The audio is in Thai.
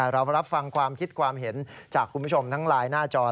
เรารับฟังความคิดความเห็นจากคุณผู้ชมทั้งไลน์หน้าจอ